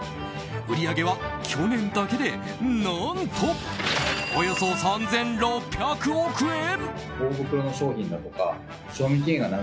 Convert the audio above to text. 売り上げは去年だけで何とおよそ３６００億円。